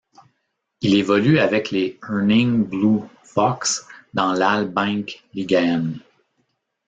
Il évolue avec les Herning Blue Fox dans l'Al Bank Ligaen.